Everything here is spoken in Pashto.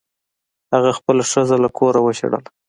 هغه خپله ښځه له کوره وشړله.